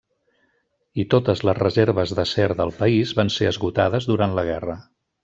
I totes les reserves d'acer del país van ser esgotades durant la guerra.